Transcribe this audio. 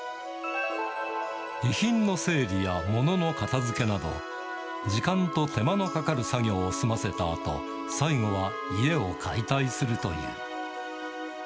遺品の整理や物の片づけなど、時間と手間の作業を済ませたあと、最後は家を解体するという。